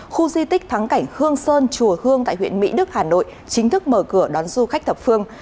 khu di tích thắng cảnh hương sơn chùa hương tại huyện mỹ đức hà nội chính thức mở cửa đón du khách thập phương